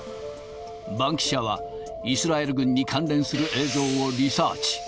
バンキシャは、イスラエル軍に関連する映像をリサーチ。